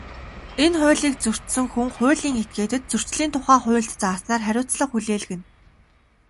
Энэ хуулийг зөрчсөн хүн, хуулийн этгээдэд Зөрчлийн тухай хуульд заасан хариуцлага хүлээлгэнэ.